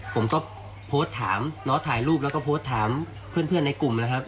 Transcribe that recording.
ผมก็โพสต์ถามเนาะถ่ายรูปแล้วก็โพสต์ถามเพื่อนในกลุ่มนะครับ